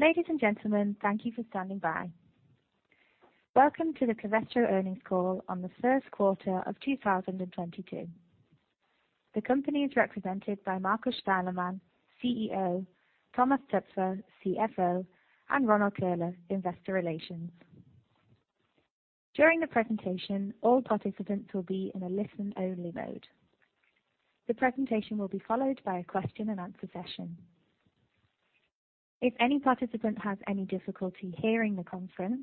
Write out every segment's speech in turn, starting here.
Ladies and gentlemen, thank you for standing by. Welcome to the Covestro earnings call on the first quarter of 2022. The company is represented by Markus Steilemann, CEO, Thomas Töpfer, CFO, and Ronald Köhler, Investor Relations. During the presentation, all participants will be in a listen-only mode. The presentation will be followed by a question-and-answer session. If any participant has any difficulty hearing the conference,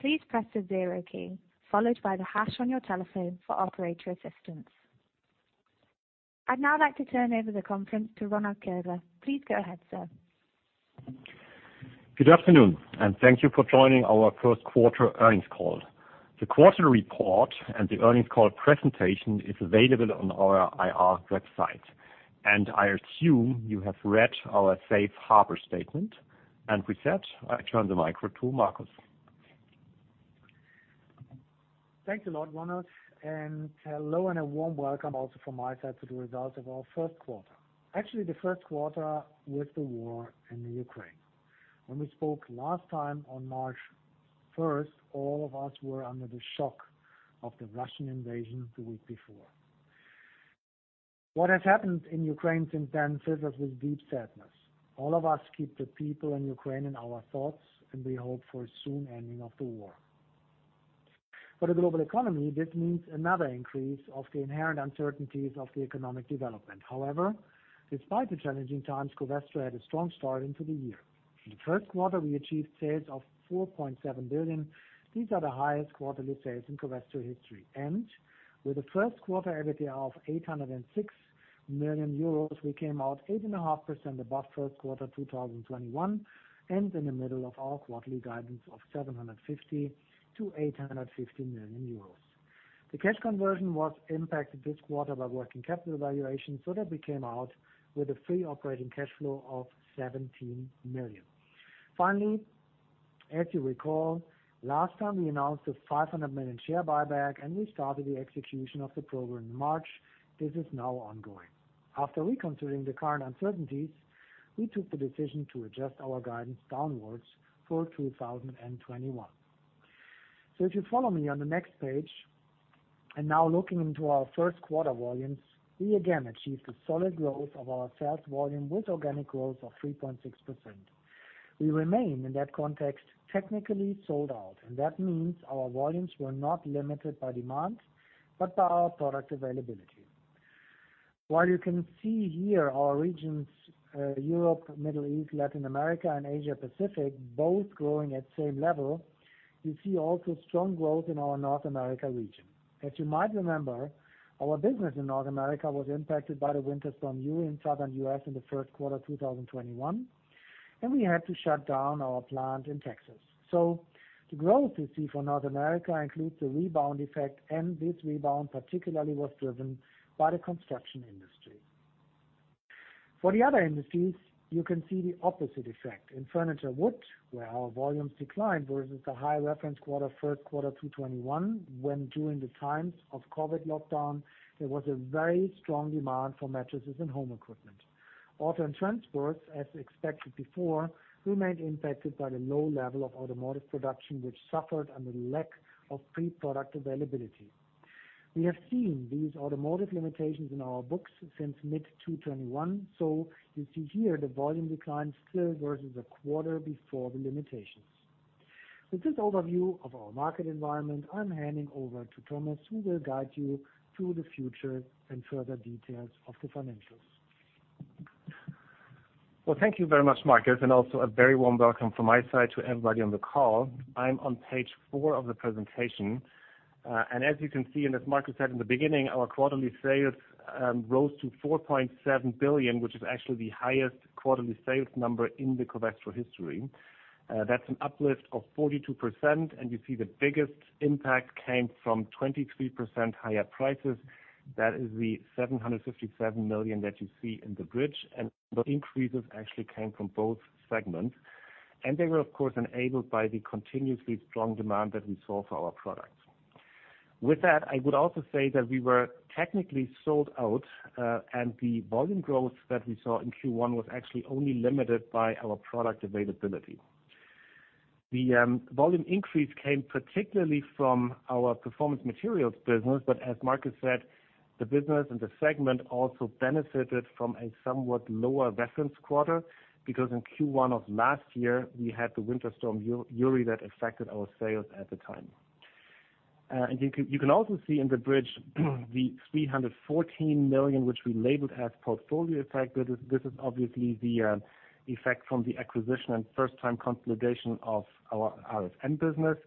please press the zero key followed by the hash on your telephone for operator assistance. I'd now like to turn over the conference to Ronald Köhler. Please go ahead, sir. Good afternoon, and thank you for joining our first quarter earnings call. The quarterly report and the earnings call presentation is available on our IR website, and I assume you have read our safe harbor statement. With that, I turn the mic to Markus. Thanks a lot, Ronald, and hello and a warm welcome also from my side to the results of our first quarter. Actually, the first quarter with the war in the Ukraine. When we spoke last time on March first, all of us were under the shock of the Russian invasion the week before. What has happened in Ukraine since then fills us with deep sadness. All of us keep the people in Ukraine in our thoughts, and we hope for a soon ending of the war. For the global economy, this means another increase of the inherent uncertainties of the economic development. However, despite the challenging times, Covestro had a strong start into the year. In the first quarter, we achieved sales of 4.7 billion. These are the highest quarterly sales in Covestro history. With a first quarter EBITDA of 806 million euros, we came out 8.5% above first quarter 2021 and in the middle of our quarterly guidance of 750 million-850 million euros. The cash conversion was impacted this quarter by working capital valuation so that we came out with a free operating cash flow of 17 million. Finally, as you recall, last time we announced a 500 million share buyback and we started the execution of the program in March. This is now ongoing. After reconsidering the current uncertainties, we took the decision to adjust our guidance downwards for 2021. If you follow me on the next page, now looking into our first quarter volumes, we again achieved a solid growth of our sales volume with organic growth of 3.6%. We remain, in that context, technically sold out, and that means our volumes were not limited by demand but by our product availability. While you can see here our regions, Europe, Middle East, Latin America, and Asia Pacific both growing at the same level, you see also strong growth in our North America region. As you might remember, our business in North America was impacted by the winter storm Uri in southern U.S. in the first quarter 2021, and we had to shut down our plant in Texas. The growth you see for North America includes the rebound effect, and this rebound particularly was driven by the construction industry. For the other industries, you can see the opposite effect. In furniture wood, where our volumes declined versus the high reference quarter, first quarter 2021, when during the times of COVID lockdown, there was a very strong demand for mattresses and home equipment. Auto and transport, as expected before, remained impacted by the low level of automotive production, which suffered under the lack of chip product availability. We have seen these automotive limitations in our books since mid-2021, so you see here the volume decline still versus the quarter before the limitations. With this overview of our market environment, I'm handing over to Thomas, who will guide you through the future and further details of the financials. Well, thank you very much, Markus, and also a very warm welcome from my side to everybody on the call. I'm on page four of the presentation. As you can see, and as Markus said in the beginning, our quarterly sales rose to 4.7 billion, which is actually the highest quarterly sales number in the Covestro history. That's an uplift of 42%, and you see the biggest impact came from 23% higher prices. That is the 757 million that you see in the bridge. Those increases actually came from both segments. They were, of course, enabled by the continuously strong demand that we saw for our products. With that, I would also say that we were technically sold out, and the volume growth that we saw in Q1 was actually only limited by our product availability. The volume increase came particularly from our Performance Materials business, but as Markus said, the business and the segment also benefited from a somewhat lower reference quarter because in Q1 of last year, we had the Winter Storm Uri that affected our sales at the time. You can also see in the bridge the 314 million, which we labeled as portfolio effect. This is obviously the effect from the acquisition and first-time consolidation of our RFM business.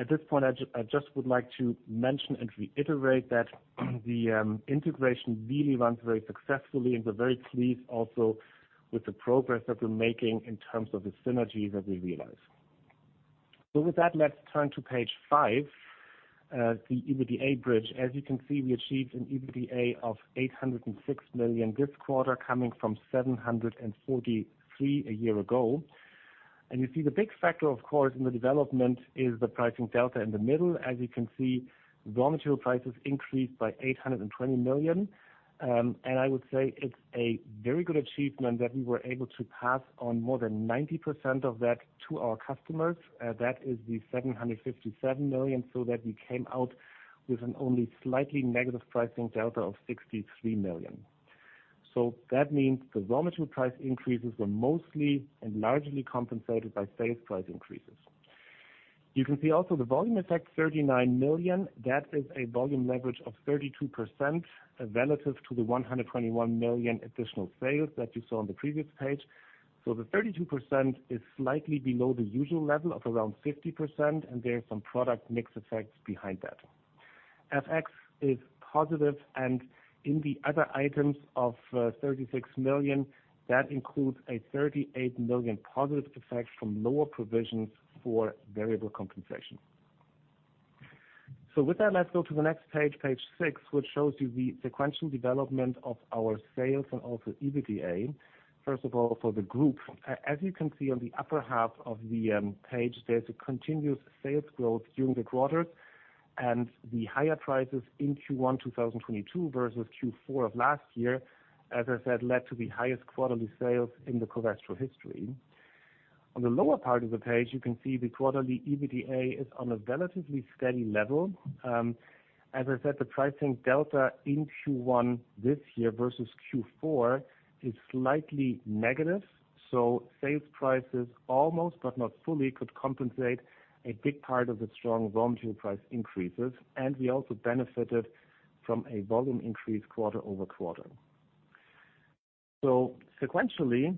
At this point, I just would like to mention and reiterate that the integration really runs very successfully, and we're very pleased also with the progress that we're making in terms of the synergies that we realize. With that, let's turn to page 5, the EBITDA bridge. As you can see, we achieved an EBITDA of 806 million this quarter, coming from 743 million a year ago. You see the big factor, of course, in the development is the pricing delta in the middle. As you can see, raw material prices increased by 820 million. And I would say it's a very good achievement that we were able to pass on more than 90% of that to our customers, that is the 757 million, so that we came out with an only slightly negative pricing delta of 63 million. That means the raw material price increases were mostly and largely compensated by sales price increases. You can see also the volume effect, 39 million. That is a volume leverage of 32% relative to the 121 million additional sales that you saw on the previous page. The 32% is slightly below the usual level of around 50%, and there are some product mix effects behind that. FX is positive and in the other items of 36 million, that includes a 38 million positive effect from lower provisions for variable compensation. With that, let's go to the next page 6, which shows you the sequential development of our sales and also EBITDA. First of all, for the group, as you can see on the upper half of the page, there's a continuous sales growth during the quarter and the higher prices in Q1 2022 versus Q4 of last year, as I said, led to the highest quarterly sales in the Covestro history. On the lower part of the page, you can see the quarterly EBITDA is on a relatively steady level. As I said, the pricing delta in Q1 this year versus Q4 is slightly negative, so sales prices almost but not fully could compensate a big part of the strong raw material price increases. We also benefited from a volume increase quarter-over-quarter. Sequentially,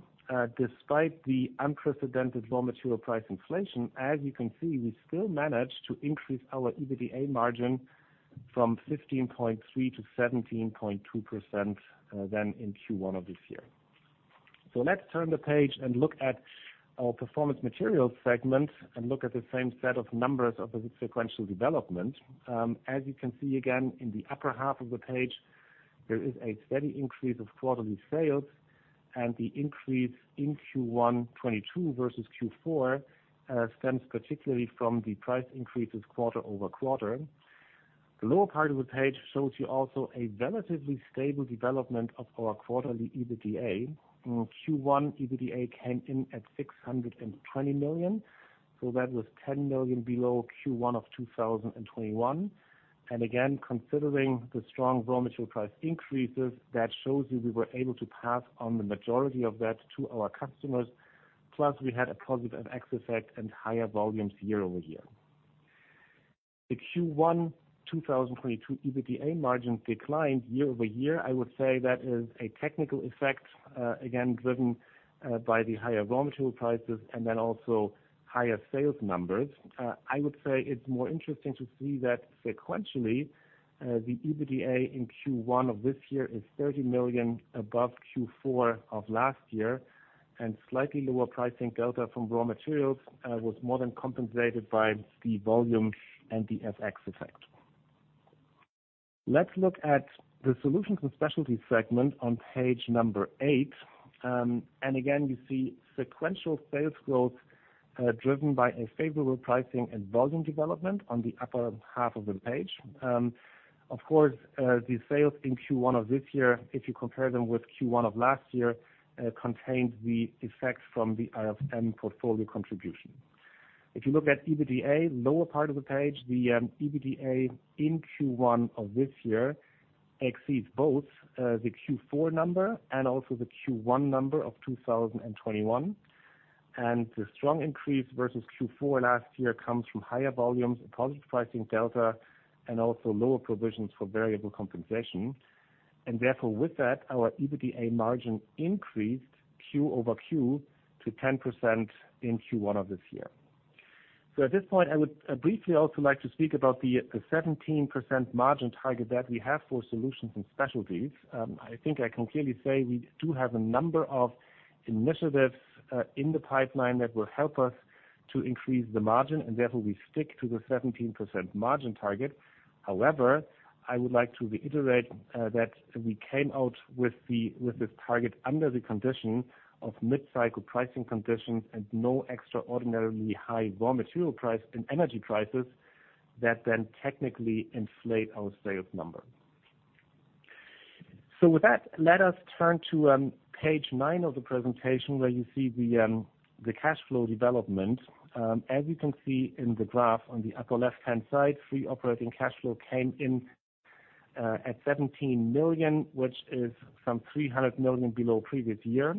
despite the unprecedented raw material price inflation, as you can see, we still managed to increase our EBITDA margin from 15.3% to 17.2%, than in Q1 of this year. Let's turn the page and look at our Performance Materials segment and look at the same set of numbers of the sequential development. As you can see again in the upper half of the page, there is a steady increase of quarterly sales and the increase in Q1 2022 versus Q4 stems particularly from the price increases quarter-over-quarter. The lower part of the page shows you also a relatively stable development of our quarterly EBITDA. Q1 EBITDA came in at 620 million, so that was 10 million below Q1 of 2021. Again, considering the strong raw material price increases, that shows you we were able to pass on the majority of that to our customers. Plus, we had a positive FX effect and higher volumes year-over-year. The Q1 2022 EBITDA margin declined year-over-year. I would say that is a technical effect, again, driven by the higher raw material prices and then also higher sales numbers. I would say it's more interesting to see that sequentially, the EBITDA in Q1 of this year is 30 million above Q4 of last year, and slightly lower pricing delta from raw materials was more than compensated by the volume and the FX effect. Let's look at the Solutions & Specialties segment on page 8. Again, you see sequential sales growth, driven by a favorable pricing and volume development on the upper half of the page. Of course, the sales in Q1 of this year, if you compare them with Q1 of last year, contained the effects from the RFM portfolio contribution. If you look at EBITDA, lower part of the page, the EBITDA in Q1 of this year exceeds both the Q4 number and also the Q1 number of 2021. The strong increase versus Q4 last year comes from higher volumes, positive pricing delta, and also lower provisions for variable compensation. Therefore, with that, our EBITDA margin increased quarter-over-quarter to 10% in Q1 of this year. At this point I would briefly also like to speak about the 17% margin target that we have for Solutions & Specialties. I think I can clearly say we do have a number of initiatives in the pipeline that will help us to increase the margin, and therefore we stick to the 17% margin target. However, I would like to reiterate that we came out with this target under the condition of mid-cycle pricing conditions and no extraordinarily high raw material price and energy prices that then technically inflate our sales number. With that, let us turn to page 9 of the presentation, where you see the cash flow development. As you can see in the graph on the upper left-hand side, free operating cash flow came in at 17 million, which is some 300 million below previous year.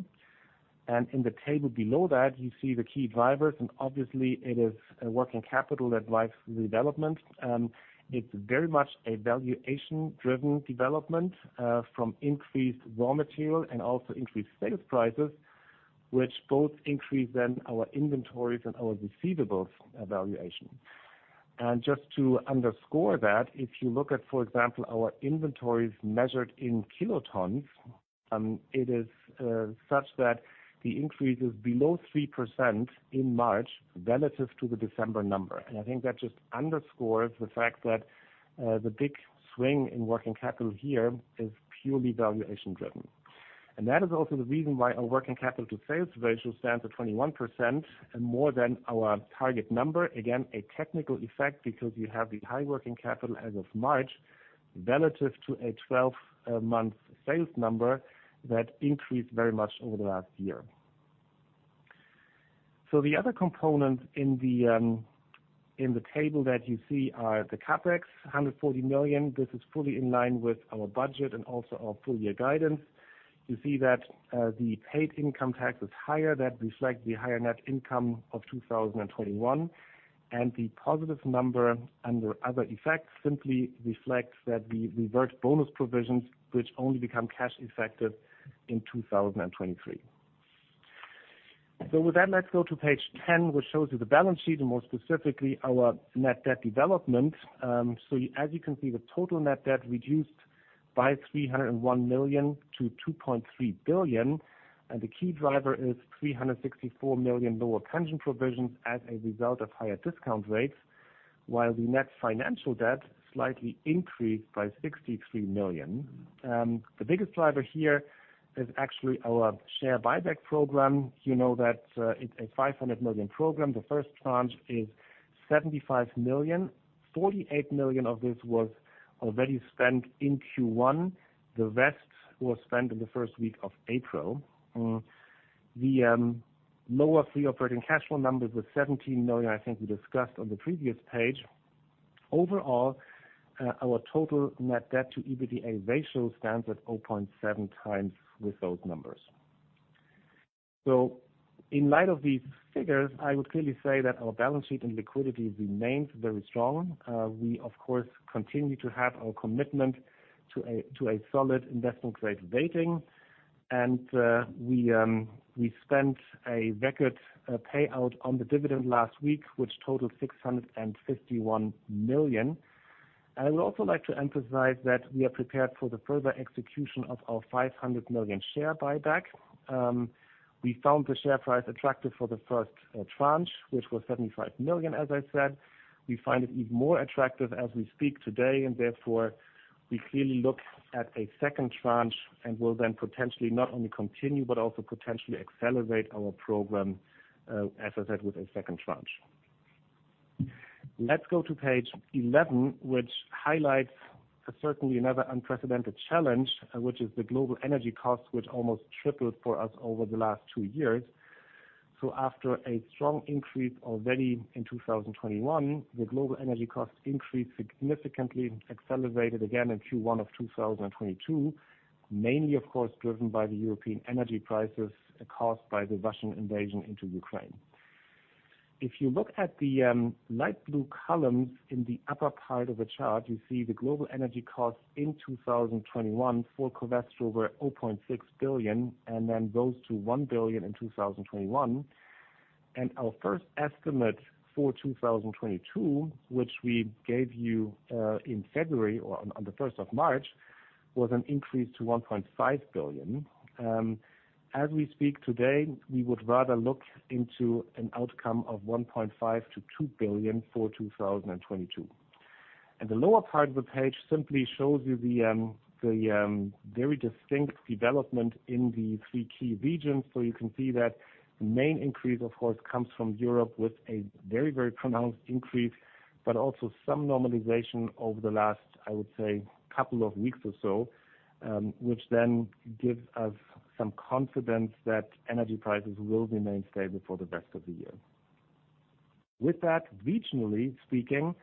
In the table below that, you see the key drivers, and obviously it is working capital that drives the development. It's very much a valuation-driven development from increased raw material and also increased sales prices, which both increase then our inventories and our receivables valuation. Just to underscore that, if you look at, for example, our inventories measured in kilotons, it is such that the increase is below 3% in March relative to the December number. I think that just underscores the fact that the big swing in working capital here is purely valuation-driven. That is also the reason why our working capital to sales ratio stands at 21% and more than our target number. Again, a technical effect because you have the high working capital as of March relative to a 12-month sales number that increased very much over the last year. The other component in the table that you see are the CapEx, 140 million. This is fully in line with our budget and also our full-year guidance. You see that, the paid income tax is higher. That reflects the higher net income of 2021. The positive number under other effects simply reflects that the retention bonus provisions which only become cash effective in 2023. With that, let's go to page 10, which shows you the balance sheet and more specifically, our net debt development. As you can see, the total net debt reduced by 301 million to 2.3 billion. The key driver is 364 million lower pension provisions as a result of higher discount rates, while the net financial debt slightly increased by 63 million. The biggest driver here is actually our share buyback program. You know that, it's a 500 million program. The first tranche is 75 million. 48 million of this was already spent in Q1. The rest was spent in the first week of April. The lower free operating cash flow numbers with 17 million, I think we discussed on the previous page. Overall, our total net debt to EBITDA ratio stands at 0.7 times with those numbers. In light of these figures, I would clearly say that our balance sheet and liquidity remains very strong. We of course continue to have our commitment to a solid investment grade rating. We spent a record payout on the dividend last week, which totaled 651 million. I would also like to emphasize that we are prepared for the further execution of our 500 million share buyback. We found the share price attractive for the first tranche, which was 75 million, as I said. We find it even more attractive as we speak today, and therefore we clearly look at a second tranche and will then potentially not only continue, but also potentially accelerate our program, as I said, with a second tranche. Let's go to page 11, which highlights certainly another unprecedented challenge, which is the global energy costs, which almost tripled for us over the last two years. After a strong increase already in 2021, the global energy cost increase significantly accelerated again in Q1 of 2022, mainly of course driven by the European energy prices caused by the Russian invasion into Ukraine. If you look at the light blue columns in the upper part of the chart, you see the global energy costs in 2021 for Covestro were 0.6 billion and then rose to 1 billion in 2021. Our first estimate for 2022, which we gave you in February or on the first of March, was an increase to 1.5 billion. As we speak today, we would rather look into an outcome of 1.5-2 billion for 2022. The lower part of the page simply shows you the very distinct development in the three key regions. You can see that the main increase, of course, comes from Europe with a very, very pronounced increase, but also some normalization over the last, I would say, couple of weeks or so, which then gives us some confidence that energy prices will remain stable for the rest of the year. With that, regionally speaking,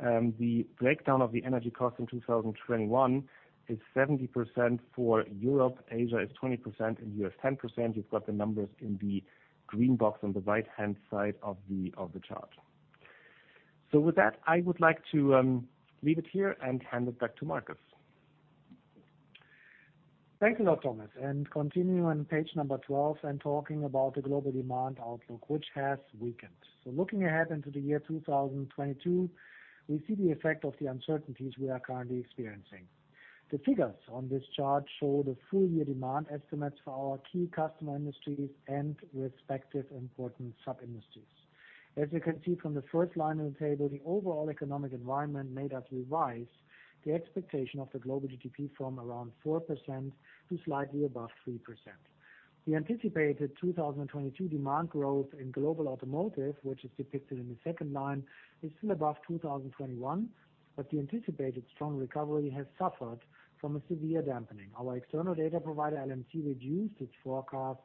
the breakdown of the energy cost in 2021 is 70% for Europe, Asia is 20%, and U.S., 10%. You've got the numbers in the green box on the right-hand side of the chart. With that, I would like to leave it here and hand it back to Markus. Thank you, Thomas. And continuing on page number 12 and talking about the global demand outlook, which has weakened. Looking ahead into the year 2022, we see the effect of the uncertainties we are currently experiencing. The figures on this chart show the full year demand estimates for our key customer industries and respective important sub-industries. As you can see from the first line of the table, the overall economic environment made us revise the expectation of the global GDP from around 4% to slightly above 3%. The anticipated 2022 demand growth in global automotive, which is depicted in the second line, is still above 2021, but the anticipated strong recovery has suffered from a severe dampening. Our external data provider, LMC, reduced its forecast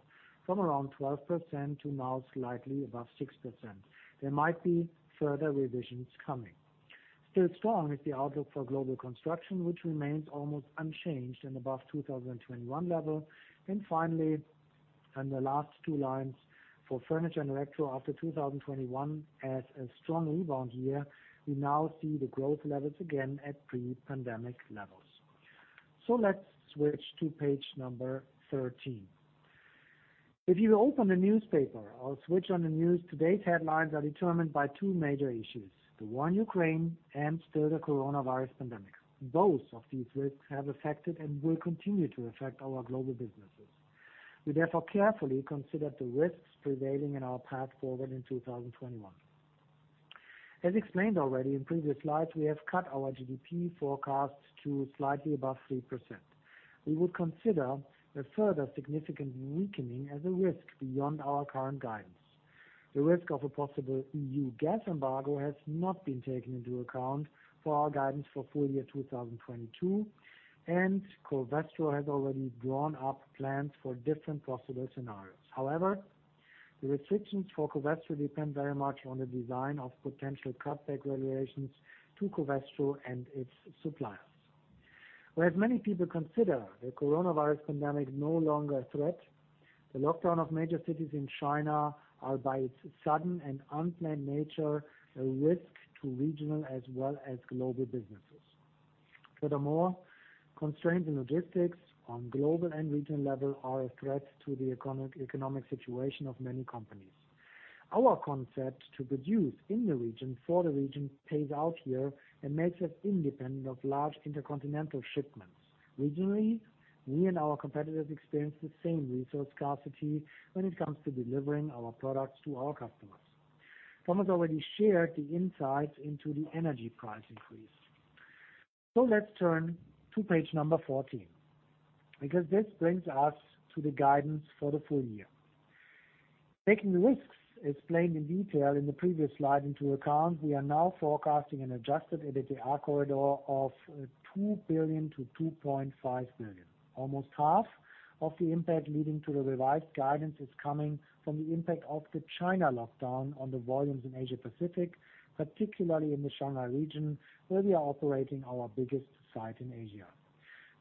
from around 12% to now slightly above 6%. There might be further revisions coming. Still strong is the outlook for global construction, which remains almost unchanged and above 2021 level. Finally, on the last two lines, for furniture and electricals after 2021 as a strong rebound year, we now see the growth levels again at pre-pandemic levels. Let's switch to page 13. If you open a newspaper or switch on the news, today's headlines are determined by two major issues, the war in Ukraine and still the coronavirus pandemic. Both of these risks have affected and will continue to affect our global businesses. We therefore carefully consider the risks prevailing in our path forward in 2021. As explained already in previous slides, we have cut our GDP forecast to slightly above 3%. We would consider a further significant weakening as a risk beyond our current guidance. The risk of a possible EU gas embargo has not been taken into account for our guidance for full year 2022, and Covestro has already drawn up plans for different possible scenarios. However, the restrictions for Covestro depend very much on the design of potential cutback regulations to Covestro and its suppliers. Whereas many people consider the coronavirus pandemic no longer a threat, the lockdown of major cities in China are, by its sudden and unplanned nature, a risk to regional as well as global businesses. Furthermore, constraints in logistics on global and regional level are a threat to the economic situation of many companies. Our concept to produce in the region for the region pays out here and makes us independent of large intercontinental shipments. Regionally, we and our competitors experience the same resource scarcity when it comes to delivering our products to our customers. Thomas already shared the insights into the energy price increase. Let's turn to page 14, because this brings us to the guidance for the full year. Taking the risks explained in detail in the previous slide into account, we are now forecasting an adjusted EBITDA corridor of 2 billion-2.5 billion. Almost half of the impact leading to the revised guidance is coming from the impact of the China lockdown on the volumes in Asia-Pacific, particularly in the Shanghai region, where we are operating our biggest site in Asia.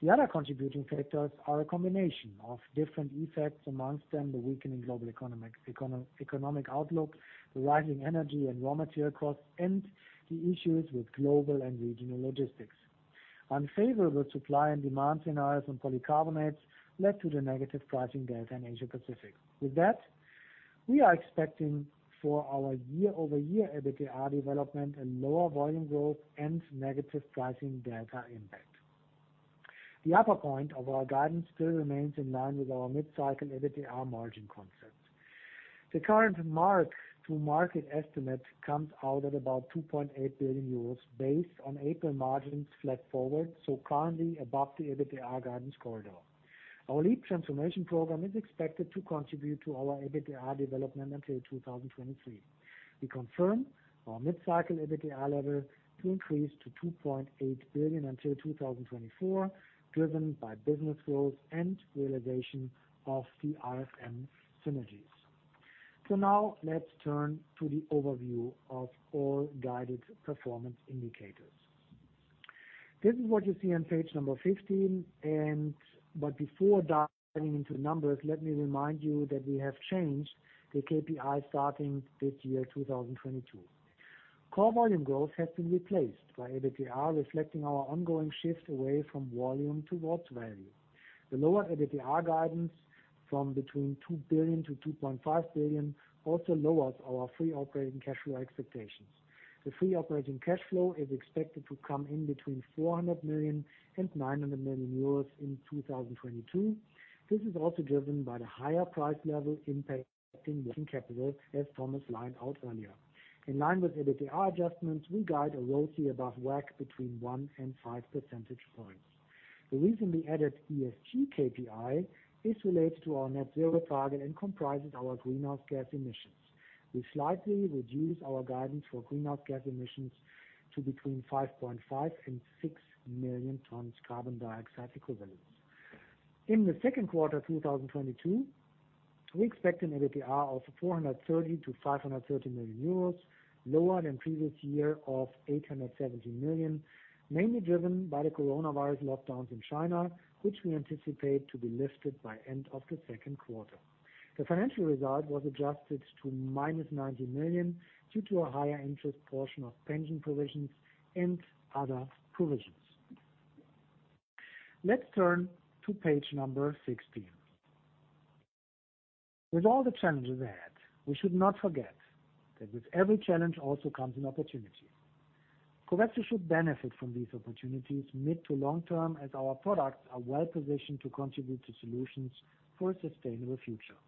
The other contributing factors are a combination of different effects, among them the weakening global economic outlook, the rising energy and raw material costs, and the issues with global and regional logistics. Unfavorable supply and demand scenarios on polycarbonates led to the negative pricing data in Asia-Pacific. With that, we are expecting for our year-over-year EBITDA development a lower volume growth and negative pricing data impact. The upper point of our guidance still remains in line with our mid-cycle EBITDA margin concept. The current mark to market estimate comes out at about 2.8 billion euros based on April margins flat forward, so currently above the EBITDA guidance corridor. Our LEAP transformation program is expected to contribute to our EBITDA development until 2023. We confirm our mid-cycle EBITDA level to increase to 2.8 billion until 2024, driven by business growth and realization of the RFM synergies. Now let's turn to the overview of all guided performance indicators. This is what you see on page number 15, but before diving into numbers, let me remind you that we have changed the KPI starting this year, 2022. Core volume growth has been replaced by EBITDA, reflecting our ongoing shift away from volume towards value. The lower EBITDA guidance from between 2 billion to 2.5 billion also lowers our free operating cash flow expectations. The free operating cash flow is expected to come in between 400 million and 900 million euros in 2022. This is also driven by the higher price level impacting working capital, as Thomas laid out earlier. In line with EBITDA adjustments, we guide a ROCE above WACC between 1 and 5 percentage points. The recently added ESG KPI is related to our net zero target and comprises our greenhouse gas emissions. We slightly reduce our guidance for greenhouse gas emissions to between 5.5 and 6 million tons carbon dioxide equivalents. In the second quarter of 2022, we expect an EBITDA of 430 million-530 million euros, lower than previous year of 870 million, mainly driven by the coronavirus lockdowns in China, which we anticipate to be lifted by end of the second quarter. The financial result was adjusted to -90 million due to a higher interest portion of pension provisions and other provisions. Let's turn to page 16. With all the challenges ahead, we should not forget that with every challenge also comes an opportunity. Covestro should benefit from these opportunities mid to long term, as our products are well-positioned to contribute to solutions for a sustainable future.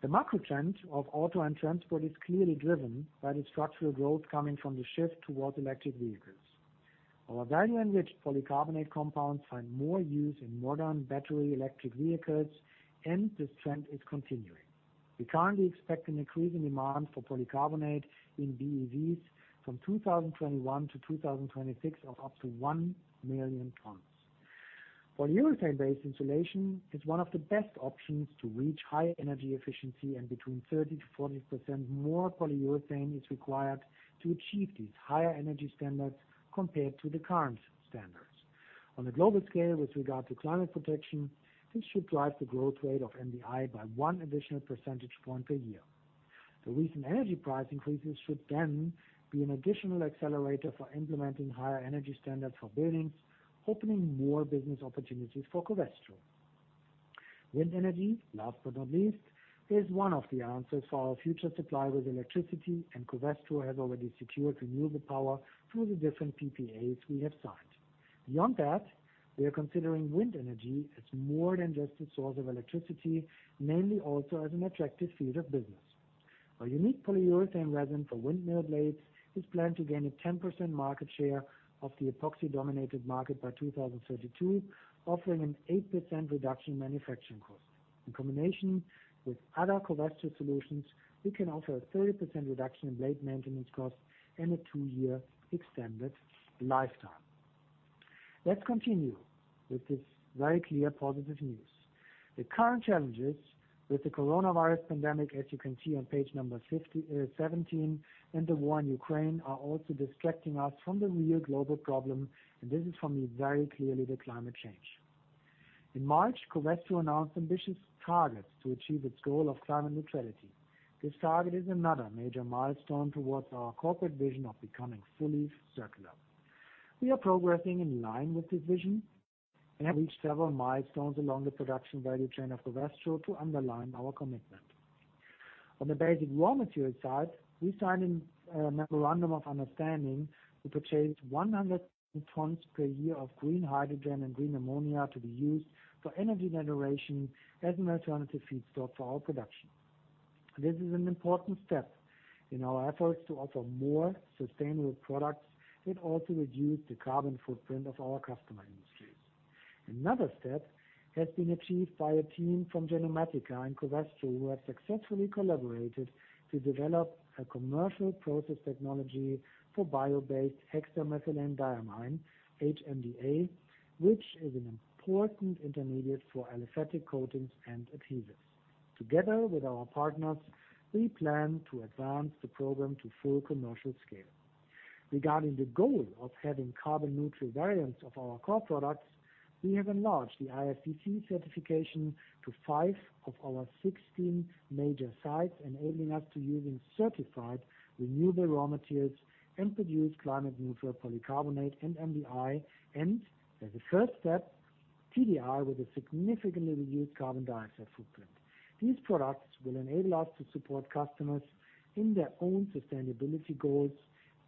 The macro trend of auto and transport is clearly driven by the structural growth coming from the shift towards electric vehicles. Our value-enriched polycarbonate compounds find more use in modern battery electric vehicles, and this trend is continuing. We currently expect an increase in demand for polycarbonate in BEVs from 2021 to 2026 of up to 1,000,000 tons. Polyurethane-based insulation is one of the best options to reach higher energy efficiency, and between 30%-40% more polyurethane is required to achieve these higher energy standards compared to the current standards. On a global scale with regard to climate protection, this should drive the growth rate of MDI by 1 additional percentage point a year. The recent energy price increases should then be an additional accelerator for implementing higher energy standards for buildings, opening more business opportunities for Covestro. Wind energy, last but not least, is one of the answers for our future supply with electricity, and Covestro has already secured renewable power through the different PPAs we have signed. Beyond that, we are considering wind energy as more than just a source of electricity, mainly also as an attractive field of business. Our unique polyurethane resin for windmill blades is planned to gain a 10% market share of the epoxy-dominated market by 2032, offering an 8% reduction in manufacturing cost. In combination with other Covestro solutions, we can offer a 30% reduction in blade maintenance costs and a 2-year extended lifetime. Let's continue with this very clear positive news. The current challenges with the coronavirus pandemic, as you can see on page number 57, and the war in Ukraine, are also distracting us from the real global problem, and this is for me very clearly the climate change. In March, Covestro announced ambitious targets to achieve its goal of climate neutrality. This target is another major milestone towards our corporate vision of becoming fully circular. We are progressing in line with this vision and have reached several milestones along the production value chain of Covestro to underline our commitment. On the basic raw material side, we signed a memorandum of understanding to purchase 100 tons per year of green hydrogen and green ammonia to be used for energy generation as an alternative feedstock for our production. This is an important step in our efforts to offer more sustainable products and also reduce the carbon footprint of our customer industries. Another step has been achieved by a team from Genomatica and Covestro, who have successfully collaborated to develop a commercial process technology for bio-based hexamethylenediamine, HMDA, which is an important intermediate for aliphatic coatings and adhesives. Together with our partners, we plan to advance the program to full commercial scale. Regarding the goal of having carbon-neutral variants of our core products, we have enlarged the ISCC certification to 5 of our 16 major sites, enabling us to use certified renewable raw materials and produce climate-neutral polycarbonate and MDI, and as a first step, TDI, with a significantly reduced carbon dioxide footprint. These products will enable us to support customers in their own sustainability goals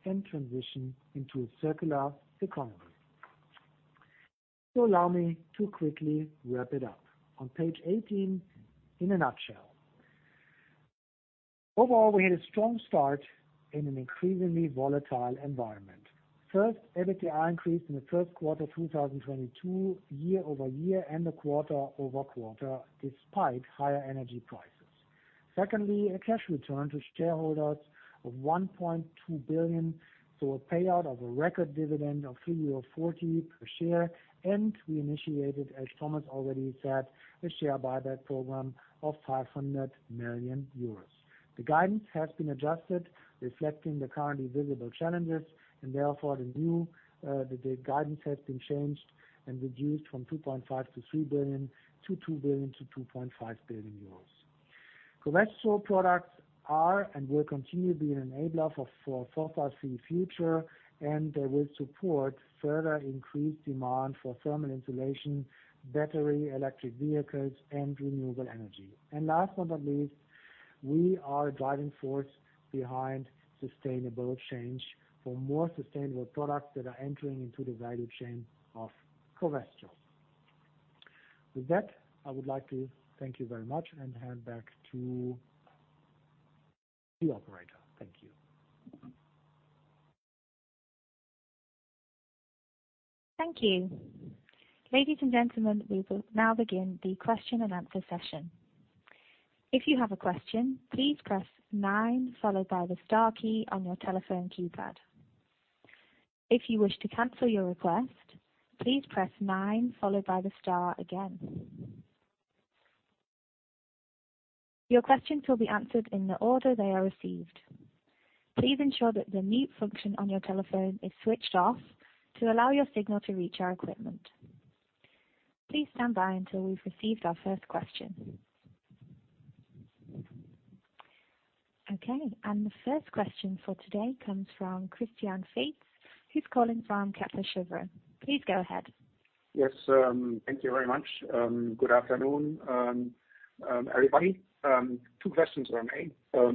and transition into a circular economy. Allow me to quickly wrap it up. On page 18, in a nutshell. Overall, we had a strong start in an increasingly volatile environment. First, EBITDA increased in the first quarter 2022 year-over-year and quarter-over-quarter despite higher energy prices. Secondly, a cash return to shareholders of 1.2 billion, so a payout of a record dividend of 3.40 per share, and we initiated, as Thomas already said, a share buyback program of 500 million euros. The guidance has been adjusted, reflecting the currently visible challenges, and therefore the new guidance has been changed and reduced from 2.5 billion-3 billion to 2 billion-2.5 billion euros. Covestro products are and will continue being an enabler for a fossil fuel-free future, and they will support further increased demand for thermal insulation, battery, electric vehicles, and renewable energy. Last but not least, we are a driving force behind sustainable change for more sustainable products that are entering into the value chain of Covestro. With that, I would like to thank you very much and hand back to the operator. Thank you. Thank you. Ladies and gentlemen, we will now begin the question and answer session. If you have a question, please press nine followed by the star key on your telephone keypad. If you wish to cancel your request, please press nine followed by the star again. Your questions will be answered in the order they are received. Please ensure that the mute function on your telephone is switched off to allow your signal to reach our equipment. Please stand by until we've received our first question. Okay, the first question for today comes from Christian Faitz, who's calling from Kepler Cheuvreux. Please go ahead. Yes, thank you very much. Good afternoon, everybody. Two questions from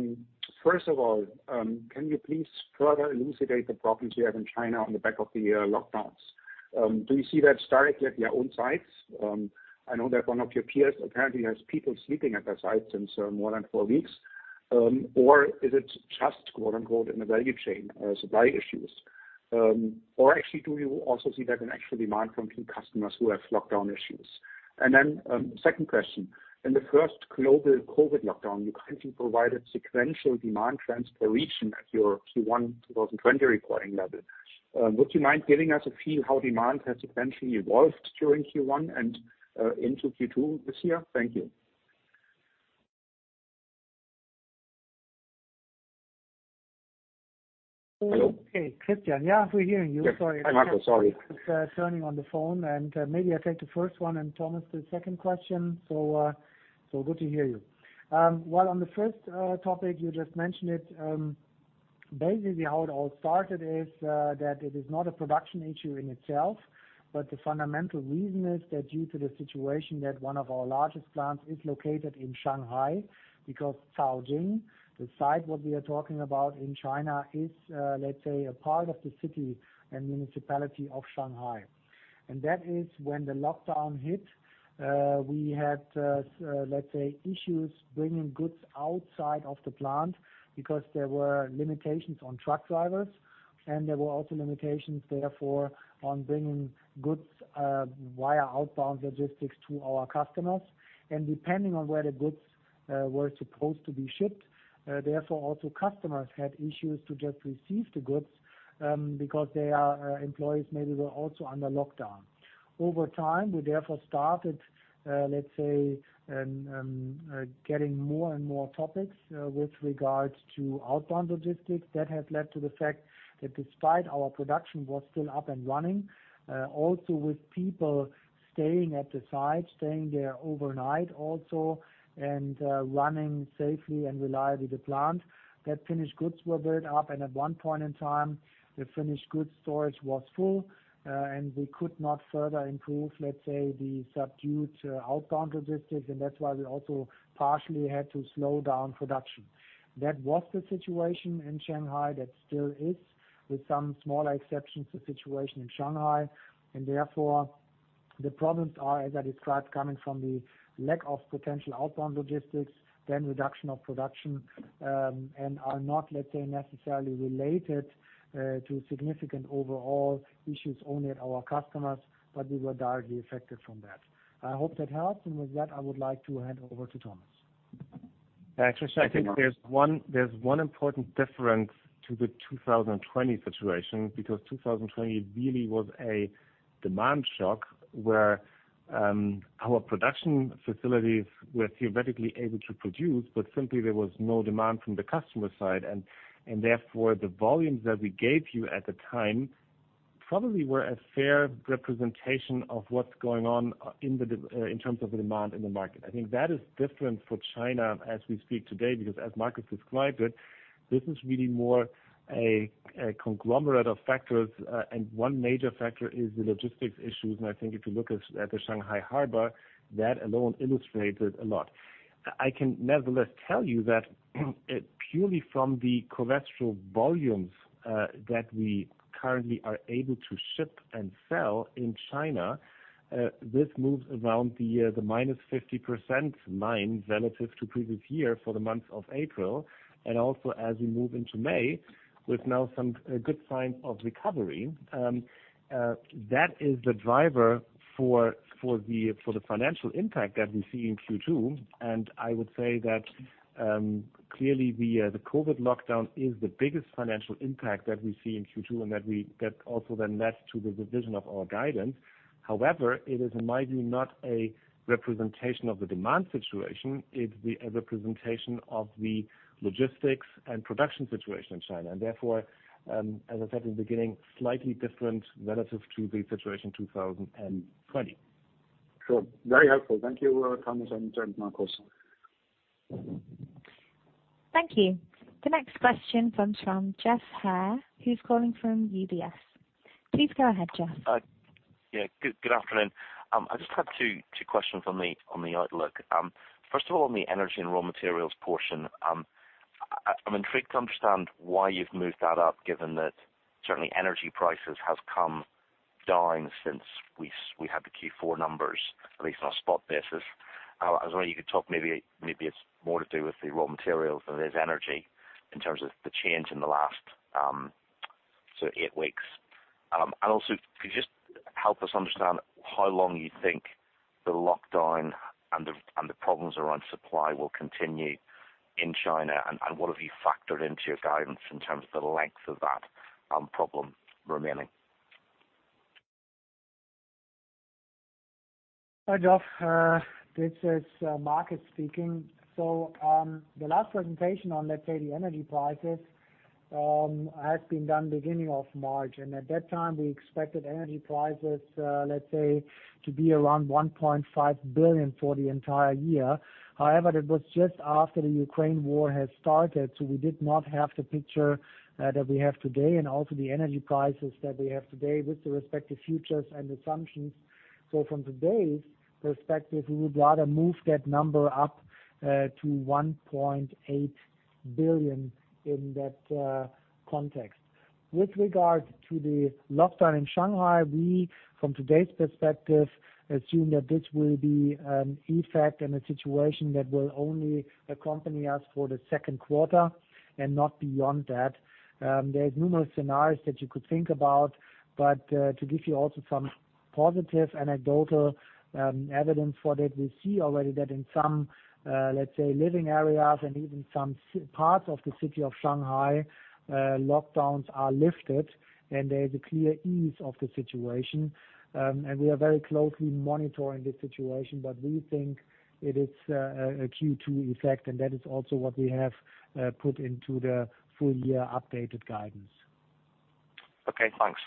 me. First of all, can you please further elucidate the problems you have in China on the back of the lockdowns? Do you see that directly at your own sites? I know that one of your peers apparently has people sleeping at their sites since more than four weeks. Or is it just, quote, unquote, in the value chain, supply issues? Or actually, do you also see that in actual demand from key customers who have lockdown issues? Second question. In the first global COVID lockdown, you kindly provided sequential demand trends per region at your Q1 2020 earnings call. Would you mind giving us a feel how demand has eventually evolved during Q1 and into Q2 this year? Thank you. So- Hello? Okay, Christian. Yeah, we hear you. Sorry. Yeah. Hi, Markus. Sorry. Just turning on the phone. Maybe I take the first one and Thomas, the second question. Good to hear you. Well, on the first topic, you just mentioned it. Basically, how it all started is that it is not a production issue in itself, but the fundamental reason is that due to the situation that one of our largest plants is located in Shanghai, because Caojing, the site what we are talking about in China, is let's say, a part of the city and municipality of Shanghai. That is when the lockdown hit, we had let's say, issues bringing goods outside of the plant because there were limitations on truck drivers, and there were also limitations therefore on bringing goods via outbound logistics to our customers. Depending on where the goods were supposed to be shipped, therefore also customers had issues to just receive the goods, because their employees maybe were also under lockdown. Over time, we therefore started, let's say, getting more and more topics, with regards to outbound logistics that have led to the fact that despite our production was still up and running, also with people staying at the site, staying there overnight also, and running safely and reliably the plant, that finished goods were built up. At one point in time, the finished goods storage was full, and we could not further improve, let's say, the subdued outbound logistics. That's why we also partially had to slow down production. That was the situation in Shanghai. That still is, with some smaller exceptions, the situation in Shanghai. Therefore, the problems are, as I described, coming from the lack of potential outbound logistics, then reduction of production, and are not, let's say, necessarily related to significant overall issues only at our customers, but we were directly affected from that. I hope that helps. With that, I would like to hand over to Thomas. Yeah, Christian, I think there's one important difference to the 2020 situation because 2020 really was a demand shock where our production facilities were theoretically able to produce, but simply there was no demand from the customer side. Therefore, the volumes that we gave you at the time probably were a fair representation of what's going on in terms of the demand in the market. I think that is different for China as we speak today, because as Markus described it, this is really more a conglomerate of factors, and one major factor is the logistics issues. I think if you look at the Shanghai Harbor, that alone illustrates it a lot. I can nevertheless tell you that, purely from the chlorine volumes, that we currently are able to ship and sell in China, this moves around the minus 50% line relative to previous year for the month of April, and also as we move into May with now some good signs of recovery. That is the driver for the financial impact that we see in Q2. I would say that, clearly the COVID lockdown is the biggest financial impact that we see in Q2 and that also then led to the revision of our guidance. However, it is, in my view, not a representation of the demand situation. It's a representation of the logistics and production situation in China. Therefore, as I said in the beginning, slightly different relative to the situation 2020. Sure. Very helpful. Thank you, Thomas and Markus. Thank you. The next question comes from Geoff Haire, who's calling from UBS. Please go ahead, Geoff. Yeah, good afternoon. I just have two questions on the outlook. First of all, on the energy and raw materials portion, I'm intrigued to understand why you've moved that up, given that certainly energy prices has come down since we had the Q4 numbers, at least on a spot basis. I was wondering if you could talk, maybe it's more to do with the raw materials than it is energy in terms of the change in the last, so eight weeks. Also could you just help us understand how long you think the lockdown and the problems around supply will continue in China, and what have you factored into your guidance in terms of the length of that problem remaining? Hi, Geoff. This is Markus speaking. The last presentation on, let's say, the energy prices has been done beginning of March. At that time, we expected energy prices, let's say, to be around 1.5 billion for the entire year. However, that was just after the Ukraine war had started, so we did not have the picture that we have today and also the energy prices that we have today with the respective futures and assumptions. From today's perspective, we would rather move that number up to 1.8 billion in that context. With regard to the lockdown in Shanghai, we, from today's perspective, assume that this will be an effect and a situation that will only accompany us for the second quarter and not beyond that. There's numerous scenarios that you could think about, but to give you also some positive anecdotal evidence for that, we see already that in some let's say living areas and even some parts of the city of Shanghai, lockdowns are lifted and there's a clear ease of the situation. We are very closely monitoring the situation, but we think it is a Q2 effect, and that is also what we have put into the full year updated guidance. Okay, thanks.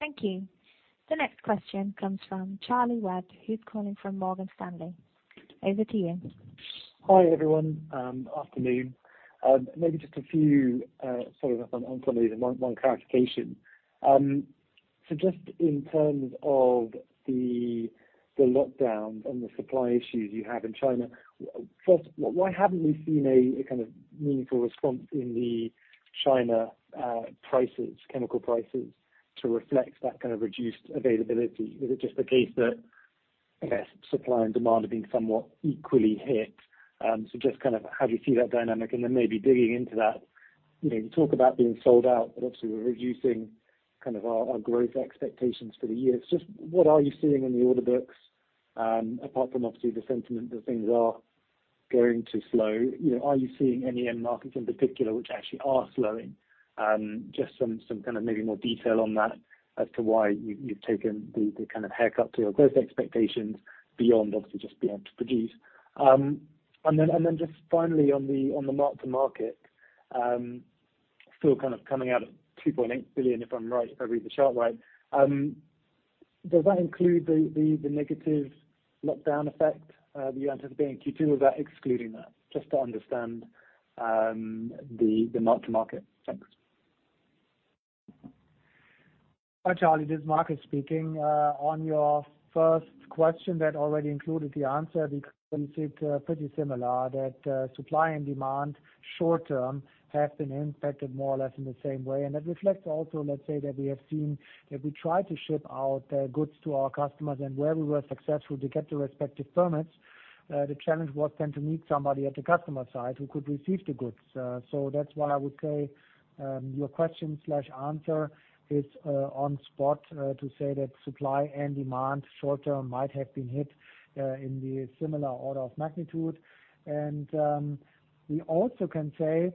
Thank you. The next question comes from Charlie Webb, who's calling from Morgan Stanley. Over to you. Hi, everyone. Afternoon. Maybe just a few, sort of on some of these, one clarification. Just in terms of the lockdown and the supply issues you have in China, first, why haven't we seen a kind of meaningful response in the Chinese chemical prices to reflect that kind of reduced availability? Is it just the case that, I guess, supply and demand are being somewhat equally hit? Just kind of how do you see that dynamic? Then maybe digging into that, you know, you talk about being sold out, but obviously we're reducing kind of our growth expectations for the year. Just what are you seeing in the order books, apart from obviously the sentiment that things are going to slow? You know, are you seeing any end markets in particular which actually are slowing? Just some kind of maybe more detail on that as to why you've taken the kind of haircut to your growth expectations beyond obviously just being able to produce. Just finally on the mark to market, still kind of coming out at 2.8 billion, if I'm right, if I read the chart right. Does that include the negative lockdown effect that you anticipate in Q2 or is that excluding that? Just to understand the mark to market. Thanks. Hi, Charlie, this is Markus speaking. On your first question that already included the answer, we can see it pretty similar that supply and demand short term have been impacted more or less in the same way. That reflects also, let's say that we have seen that we try to ship out goods to our customers and where we were successful to get the respective permits, the challenge was then to meet somebody at the customer side who could receive the goods. So that's why I would say your question answer is spot on to say that supply and demand short term might have been hit in a similar order of magnitude. We also can say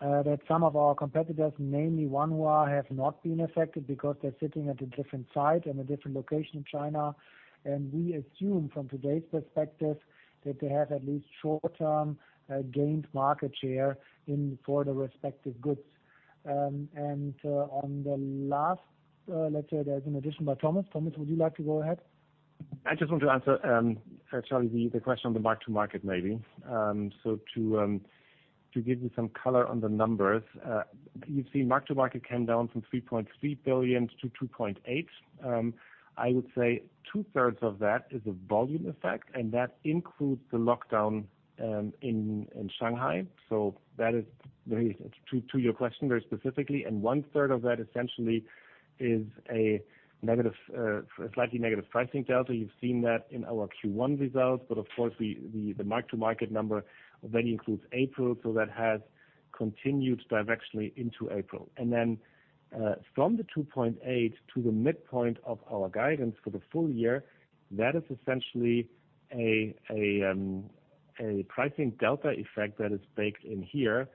that some of our competitors, namely Wanhua, have not been affected because they're sitting at a different site and a different location in China. We assume from today's perspective that they have at least short term gained market share in for the respective goods. On the last, let's say there's an addition by Thomas. Thomas, would you like to go ahead? I just want to answer, Charlie, the question on the mark to market maybe. To give you some color on the numbers, you've seen mark to market came down from 3.3 billion to 2.8 billion. I would say two thirds of that is a volume effect, and that includes the lockdown in Shanghai. That is very to your question very specifically, and one third of that essentially is a slightly negative pricing delta. You've seen that in our Q1 results. Of course the mark to market number already includes April, so that has continued directionally into April. From the 2.8 to the midpoint of our guidance for the full year, that is essentially a pricing delta effect that is baked in here,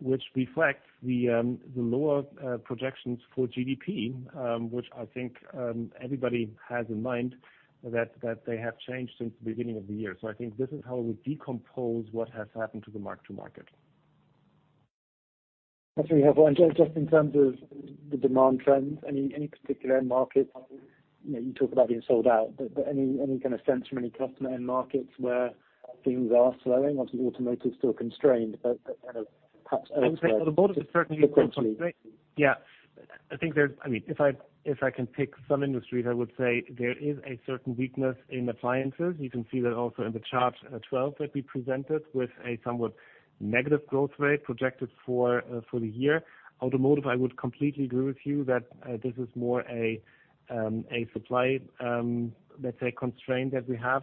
which reflects the lower projections for GDP, which I think everybody has in mind that they have changed since the beginning of the year. I think this is how we decompose what has happened to the mark to market. That's really helpful. Just in terms of the demand trends, any particular end market? You know, you talk about being sold out, but any kind of sense from any customer end markets where things are slowing? Obviously automotive is still constrained, but kind of perhaps elsewhere. The automotive is certainly constrained. Quickly. Yeah. I think there's. I mean, if I can pick some industries, I would say there is a certain weakness in appliances. You can see that also in the chart 12 that we presented with a somewhat negative growth rate projected for the year. Automotive, I would completely agree with you that this is more a supply, let's say constraint that we have.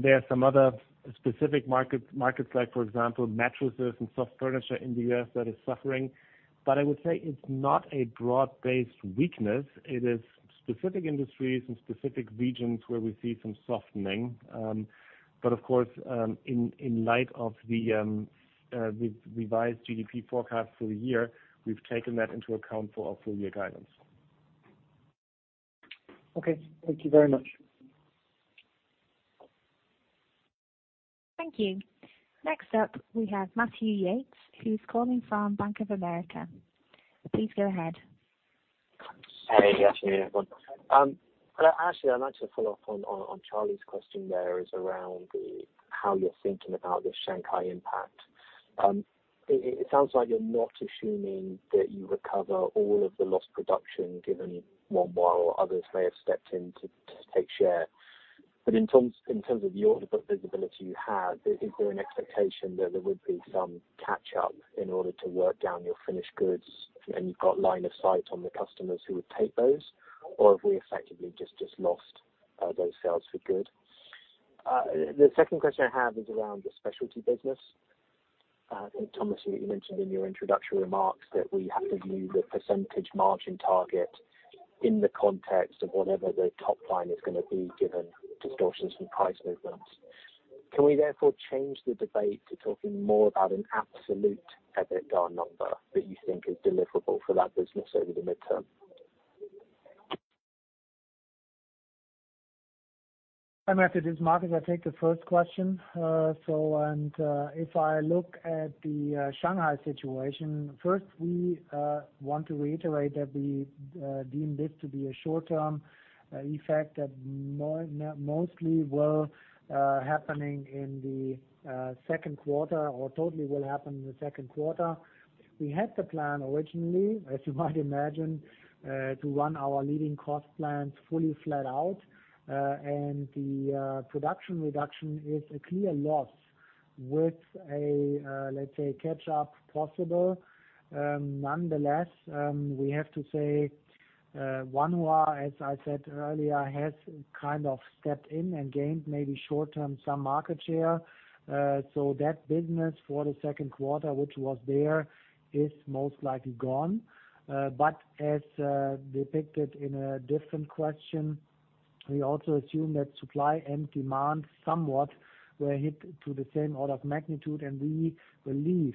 There are some other specific markets like for example, mattresses and soft furniture in the U.S. that is suffering. I would say it's not a broad-based weakness. It is specific industries and specific regions where we see some softening. Of course, in light of the revised GDP forecast for the year, we've taken that into account for our full year guidance. Okay. Thank you very much. Thank you. Next up we have Matthew Yates, who's calling from Bank of America. Please go ahead. Hey, good afternoon, everyone. Actually, I'd like to follow up on Charlie's question there, how you're thinking about the Shanghai impact. It sounds like you're not assuming that you recover all of the lost production given Wanhua or others may have stepped in to take share. But in terms of the order book visibility you have, is there an expectation that there would be some catch up in order to work down your finished goods and you've got line of sight on the customers who would take those? Or have we effectively just lost those sales for good? The second question I have is around the specialty business. Thomas, you mentioned in your introductory remarks that we have to view the percentage margin target in the context of whatever the top line is gonna be given distortions from price movements. Can we therefore change the debate to talking more about an absolute EBITDA number that you think is deliverable for that business over the midterm? Hi Matthew, this is Markus. I take the first question. If I look at the Shanghai situation, first, we want to reiterate that we deem this to be a short-term effect that mostly will happen in the second quarter or totally will happen in the second quarter. We had the plan originally, as you might imagine, to run our leading cost plants fully flat out. The production reduction is a clear loss with a, let's say, catch-up possible. Nonetheless, we have to say, Wanhua, as I said earlier, has kind of stepped in and gained maybe short-term some market share. That business for the second quarter, which was there, is most likely gone. As depicted in a different question, we also assume that supply and demand somewhat were hit to the same order of magnitude, and we believe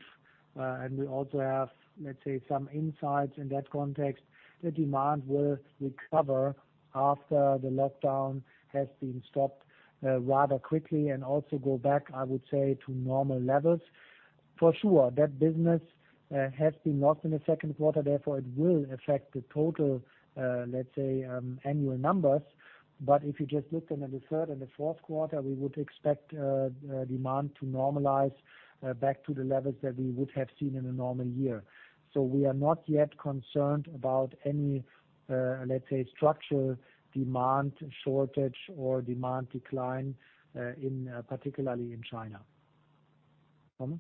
and we also have, let's say, some insights in that context, the demand will recover after the lockdown has been stopped rather quickly and also go back, I would say, to normal levels. For sure, that business has been lost in the second quarter, therefore it will affect the total, let's say, annual numbers. If you just look then at the third and the fourth quarter, we would expect demand to normalize back to the levels that we would have seen in a normal year. We are not yet concerned about any, let's say, structural demand shortage or demand decline, particularly in China. Thomas?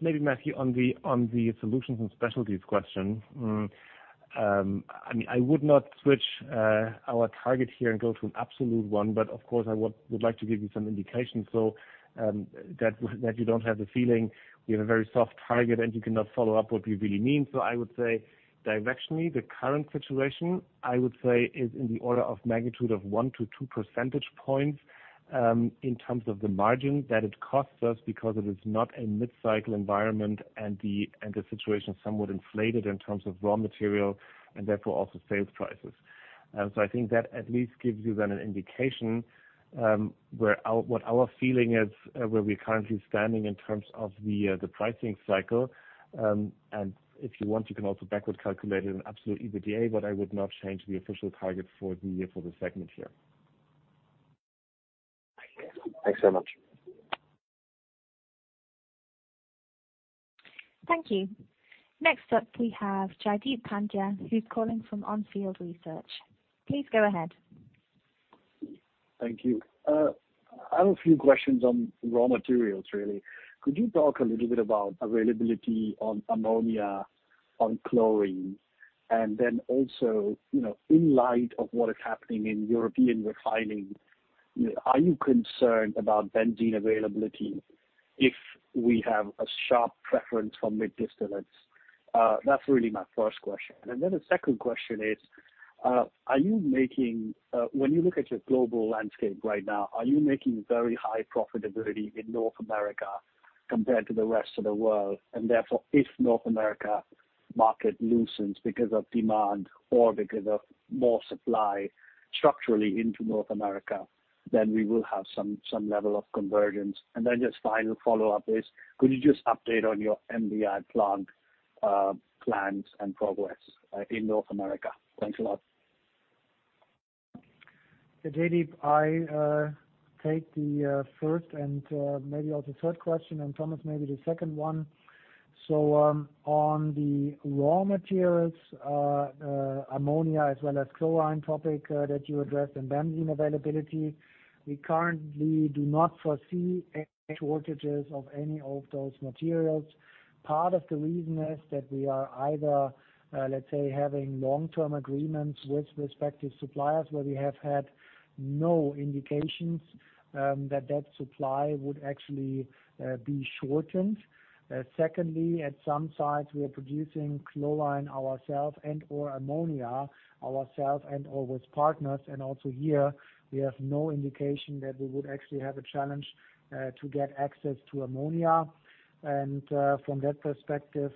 Maybe, Matthew, on the Solutions & Specialties question. I mean, I would not switch our target here and go to an absolute one, but of course, I would like to give you some indication so that you don't have the feeling we have a very soft target and you cannot follow up what we really mean. I would say directionally, the current situation, I would say, is in the order of magnitude of 1-2 percentage points in terms of the margin that it costs us because it is not a mid-cycle environment and the situation is somewhat inflated in terms of raw material and therefore also sales prices. I think that at least gives you then an indication what our feeling is where we're currently standing in terms of the pricing cycle. If you want, you can also backward calculate an absolute EBITDA, but I would not change the official target for the year for the segment here. Thanks so much. Thank you. Next up, we have Jaideep Pandya, who's calling from On Field Research. Please go ahead. Thank you. I have a few questions on raw materials, really. Could you talk a little bit about availability on ammonia, on chlorine? Then also, you know, in light of what is happening in European refining, are you concerned about benzene availability if we have a sharp preference for mid distillates? That's really my first question. Then the second question is, when you look at your global landscape right now, are you making very high profitability in North America compared to the rest of the world? And therefore, if North America market loosens because of demand or because of more supply structurally into North America, then we will have some level of convergence. Then just final follow-up is, could you just update on your MDI plant plans and progress in North America? Thanks a lot. Jaideep, I take the first and maybe also third question, and Thomas, maybe the second one. On the raw materials ammonia as well as chlorine topic that you addressed and benzene availability, we currently do not foresee any shortages of any of those materials. Part of the reason is that we are either, let's say, having long-term agreements with respective suppliers where we have had no indications that that supply would actually be shortened. Secondly, at some sites, we are producing chlorine ourselves and/or ammonia ourselves and/or with partners. Also here we have no indication that we would actually have a challenge to get access to ammonia. From that perspective,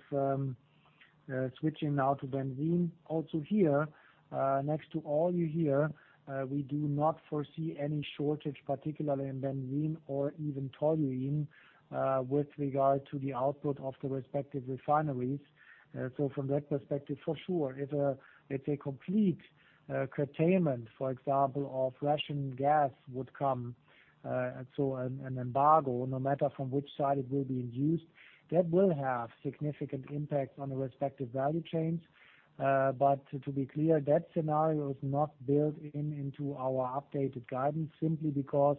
switching now to benzene, also here next to all you hear, we do not foresee any shortage, particularly in benzene or even toluene, with regard to the output of the respective refineries. From that perspective, for sure, if a complete curtailment, for example, of Russian gas would come, such an embargo, no matter from which side it will be induced, that will have significant impact on the respective value chains. To be clear, that scenario is not built into our updated guidance simply because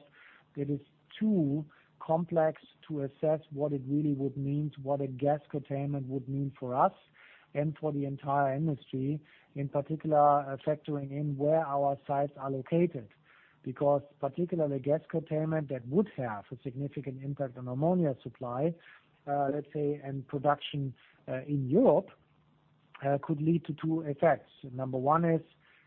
it is too complex to assess what it really would mean, what a gas curtailment would mean for us and for the entire industry, in particular, factoring in where our sites are located. Because particularly gas curtailment that would have a significant impact on ammonia supply, let's say, and production, in Europe, could lead to two effects. Number one is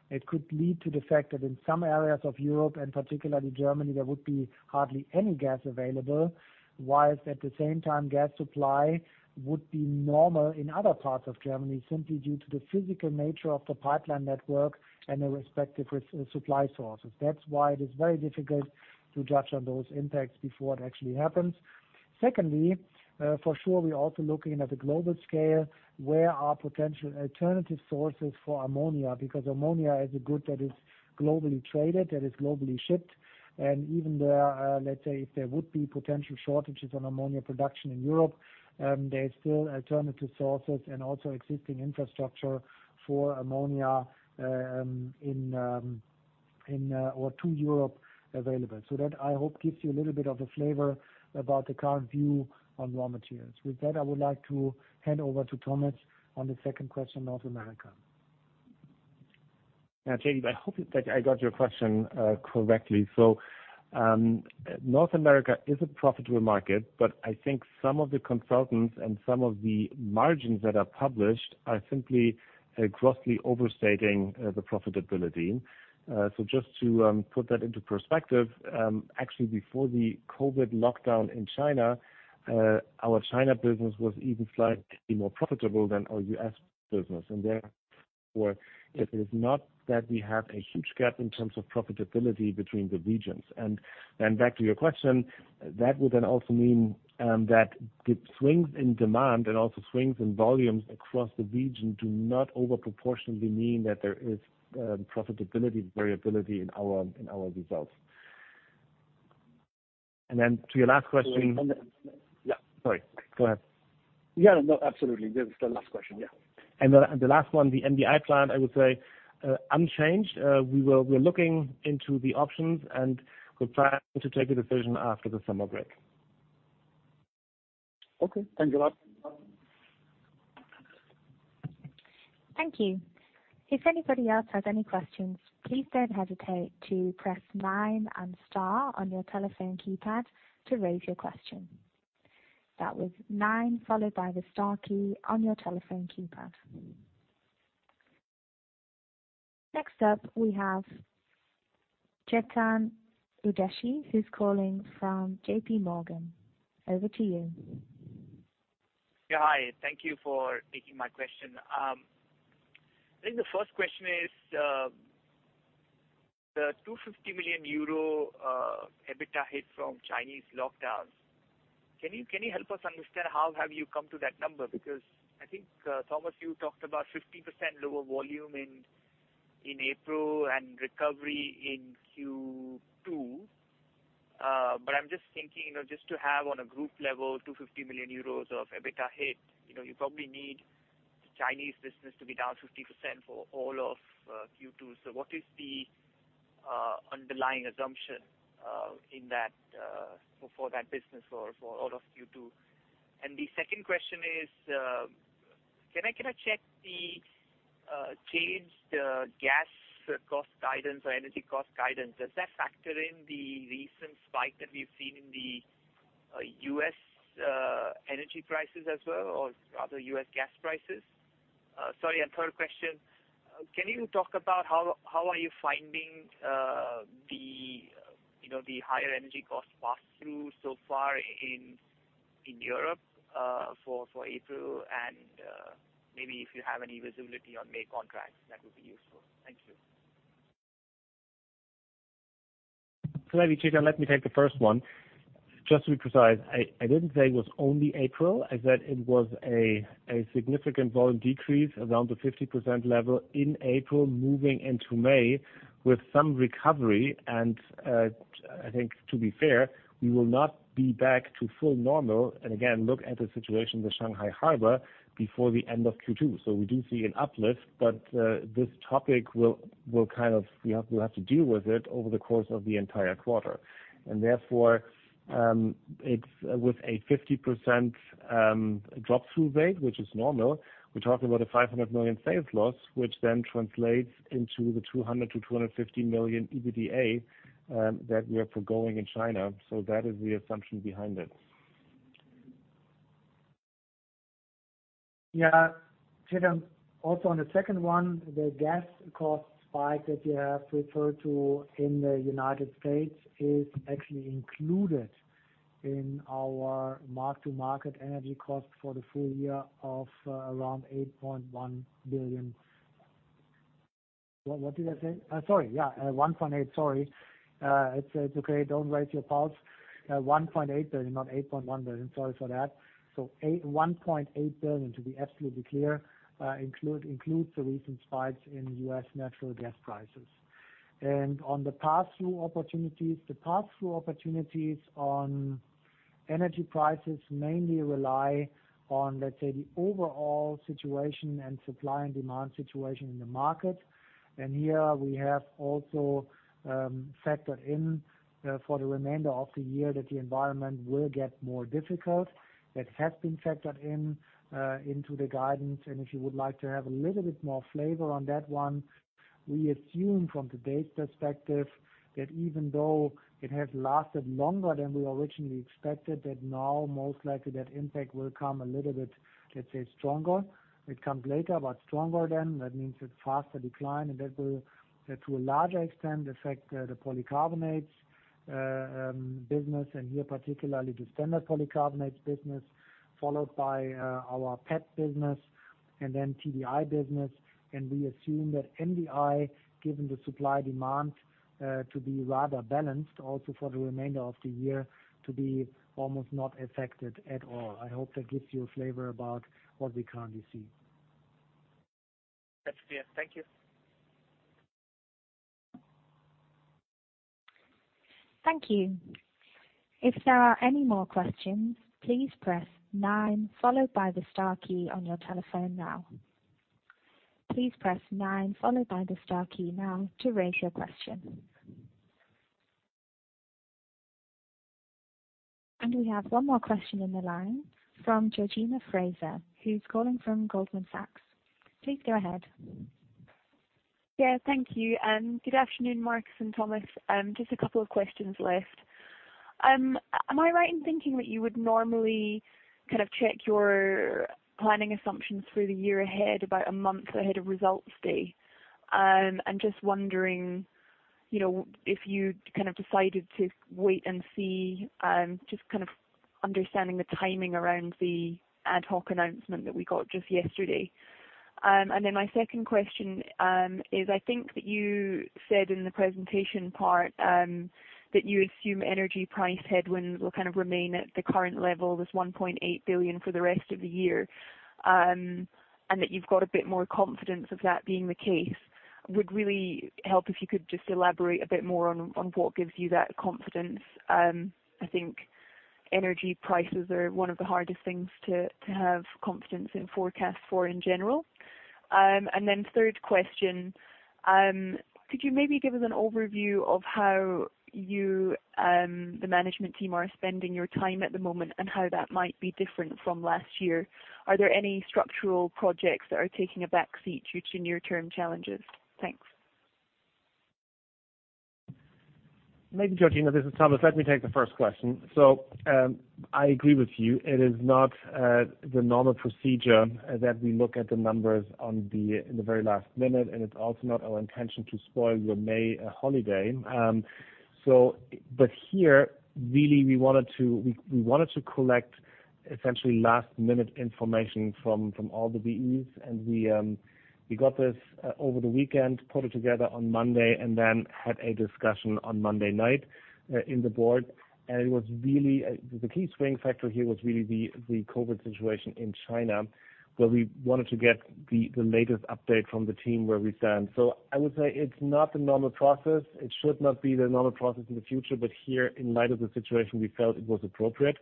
it could lead to the fact that in some areas of Europe, and particularly Germany, there would be hardly any gas available, while at the same time, gas supply would be normal in other parts of Germany simply due to the physical nature of the pipeline network and the respective supply sources. That's why it is very difficult to judge on those impacts before it actually happens. Secondly, for sure we're also looking at the global scale, where there are potential alternative sources for ammonia, because ammonia is a good that is globally traded, that is globally shipped, and even there, let's say, if there would be potential shortages on ammonia production in Europe, there is still alternative sources and also existing infrastructure for ammonia into Europe available. So that I hope gives you a little bit of a flavor about the current view on raw materials. With that, I would like to hand over to Thomas on the second question, North America. Yeah, I hope that I got your question correctly. North America is a profitable market, but I think some of the consultants and some of the margins that are published are simply grossly overstating the profitability. Just to put that into perspective, actually before the COVID lockdown in China, our China business was even slightly more profitable than our US business. Therefore, it is not that we have a huge gap in terms of profitability between the regions. Then back to your question, that would then also mean that the swings in demand and also swings in volumes across the region do not disproportionately mean that there is profitability variability in our results. Then to your last question. Yeah. Sorry, go ahead. Yeah, no, absolutely. This is the last question, yeah. The last one, the MDI plan, I would say, unchanged. We're looking into the options and we plan to take a decision after the summer break. Okay. Thank you a lot. Thank you. If anybody else has any questions, please don't hesitate to press nine and star on your telephone keypad to raise your question. That was nine followed by the star key on your telephone keypad. Next up, we have Chetan Udeshi who's calling from JPMorgan. Over to you. Yeah, hi. Thank you for taking my question. I think the first question is the 250 million euro EBITDA hit from Chinese lockdowns. Can you help us understand how you have come to that number? Because I think, Thomas, you talked about 50% lower volume in April and recovery in Q2. But I'm just thinking, you know, just to have on a group level 250 million euros of EBITDA hit, you know, you probably need the Chinese business to be down 50% for all of Q2. So what is the underlying assumption in that for that business for all of Q2? The second question is, can I check the changed gas cost guidance or energy cost guidance? Does that factor in the recent spike that we've seen in the U.S. energy prices as well or rather U.S. gas prices? Sorry, third question, can you talk about how are you finding the you know the higher energy cost pass-through so far in Europe for April? Maybe if you have any visibility on May contracts that would be useful. Thank you. Maybe, Chetan, let me take the first one. Just to be precise, I didn't say it was only April. I said it was a significant volume decrease around the 50% level in April moving into May with some recovery. I think to be fair, we will not be back to full normal, and again, look at the situation with Shanghai Harbor before the end of Q2. We do see an uplift, but this topic will kind of. We'll have to deal with it over the course of the entire quarter. Therefore, it's with a 50% drop through rate, which is normal. We're talking about a 500 million sales loss, which then translates into the 200 million-250 million EBITDA that we are foregoing in China. That is the assumption behind it. Yeah. Chetan, also on the second one, the gas cost spike that you have referred to in the United States is actually included in our mark-to-market energy cost for the full year of around 8.1 billion. What did I say? Sorry. Yeah, one point eight, sorry. It's okay. Don't raise your pulse. 1.8 billion, not 8.1 billion. Sorry for that. One point eight billion, to be absolutely clear, includes the recent spikes in US natural gas prices. On the pass-through opportunities on energy prices mainly rely on, let's say, the overall situation and supply and demand situation in the market. Here we have also factored in for the remainder of the year that the environment will get more difficult. That has been factored in into the guidance. If you would like to have a little bit more flavor on that one, we assume from today's perspective that even though it has lasted longer than we originally expected, that now most likely that impact will come a little bit, let's say, stronger. It comes later, but stronger than. That means a faster decline, and that will to a larger extent affect the polycarbonates business, and here particularly the standard polycarbonates business, followed by our PET business and then TDI business. We assume that MDI, given the supply demand to be rather balanced also for the remainder of the year to be almost not affected at all. I hope that gives you a flavor about what we currently see. That's clear. Thank you. Thank you. If there are any more questions, please press nine followed by the star key on your telephone now. Please press nine followed by the star key now to raise your question. We have one more question in the line from Georgina Fraser, who's calling from Goldman Sachs. Please go ahead. Yeah, thank you. Good afternoon, Markus and Thomas. Just a couple of questions left. Am I right in thinking that you would normally kind of check your planning assumptions for the year ahead, about a month ahead of results day? I'm just wondering, you know, if you'd kind of decided to wait and see, just kind of understanding the timing around the ad hoc announcement that we got just yesterday. And then my second question is I think that you said in the presentation part, that you assume energy price headwinds will kind of remain at the current level, 1.8 billion for the rest of the year, and that you've got a bit more confidence of that being the case. Would really help if you could just elaborate a bit more on what gives you that confidence. I think energy prices are one of the hardest things to have confidence in forecasting for in general. Third question, could you maybe give us an overview of how you, the management team are spending your time at the moment, and how that might be different from last year? Are there any structural projects that are taking a back seat due to near-term challenges? Thanks. Georgina Iwamoto, this is Thomas. Let me take the first question. I agree with you. It is not the normal procedure that we look at the numbers in the very last minute, and it's also not our intention to spoil your May holiday. Here, really we wanted to collect essentially last-minute information from all the BUs. We got this over the weekend, put it together on Monday, and then had a discussion on Monday night in the board. It was really the key swinging factor here was really the COVID situation in China, where we wanted to get the latest update from the team where we stand. I would say it's not the normal process. It should not be the normal process in the future, but here, in light of the situation, we felt it was appropriate